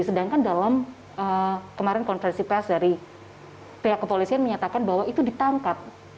sedangkan dalam kemarin konferensi pers dari pihak kepolisian menyatakan bahwa itu ditangkap